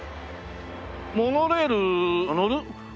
モノレール乗る？